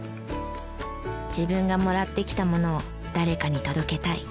自分がもらってきたものを誰かに届けたい。